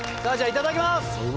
いただきます。